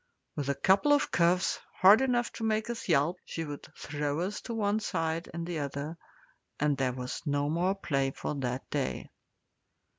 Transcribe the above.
With a couple of cuffs, hard enough to make us yelp, she would throw us to one side and the other, and there was no more play for that day.